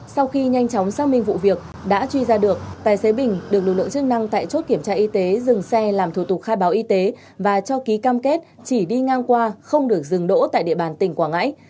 sau khi nhanh chóng xác minh vụ việc đã truy ra được tài xế bình được lực lượng chức năng tại chốt kiểm tra y tế dừng xe làm thủ tục khai báo y tế và cho ký cam kết chỉ đi ngang qua không được dừng đỗ tại địa bàn tỉnh quảng ngãi